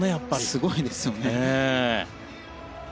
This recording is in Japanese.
すごいですよね。